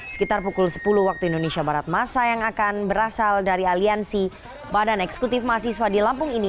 sekitar pukul sepuluh waktu indonesia barat masa yang akan berasal dari aliansi badan eksekutif mahasiswa di lampung ini